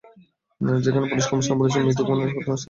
সেখানে police commissioner বলেছিলেন, মিতু খুনের ঘটনায় সাত থেকে আটজন জড়িত।